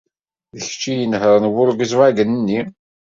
D kečč ad inehṛen Volkswagen-nni.